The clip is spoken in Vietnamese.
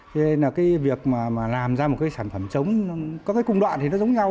thế nên là cái việc mà làm ra một cái sản phẩm trống có cái cùng đoạn thì nó giống nhau